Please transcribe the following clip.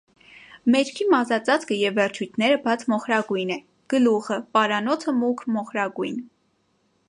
Մեջքի մազածածկը և վերջույթները բաց մոխրագույն է, գլուխը, պարանոցը մուգ մոխրագույն։